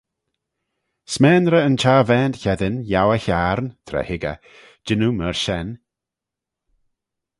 S'maynrey yn charvaant cheddin, yiow e hiarn tra hig eh jannoo myr shen.